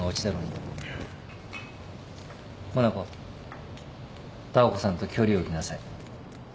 モナコダー子さんと距離を置きなさい。